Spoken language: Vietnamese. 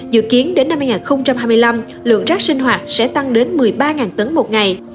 dự kiến đến năm hai nghìn hai mươi năm lượng rác sinh hoạt sẽ tăng đến một mươi ba tấn một ngày